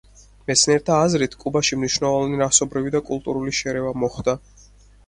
მეცნიერთა აზრით, კუბაში მნიშვნელოვანი რასობრივი და კულტურული შერევა მოხდა.